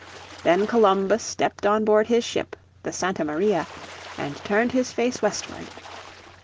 Then Columbus stepped on board his ship, the Santa Maria, and turned his face westward.